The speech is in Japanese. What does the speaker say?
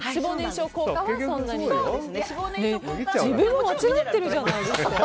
小木さん自分も間違ってるじゃないですか。